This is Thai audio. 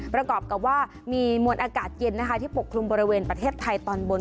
ประกอบกับว่ามีมวลอากาศเย็นนะคะที่ปกคลุมบริเวณประเทศไทยตอนบน